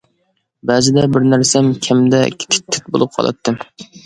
بەزىدە بىر نەرسەم كەمدەك تىت-تىت بولۇپ قالاتتىم.